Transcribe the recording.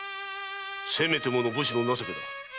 せめてもの武士の情けだ。